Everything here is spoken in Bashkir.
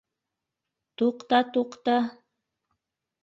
— Туҡта, туҡта.